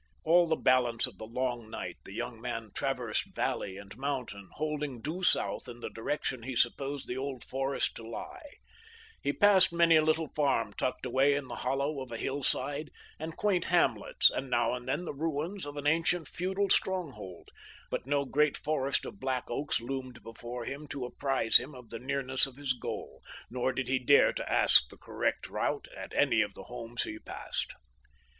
All the balance of the long night the young man traversed valley and mountain, holding due south in the direction he supposed the Old Forest to lie. He passed many a little farm tucked away in the hollow of a hillside, and quaint hamlets, and now and then the ruins of an ancient feudal stronghold, but no great forest of black oaks loomed before him to apprise him of the nearness of his goal, nor did he dare to ask the correct route at any of the homes he passed.